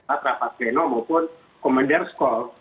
pak pleno maupun komandir sekolah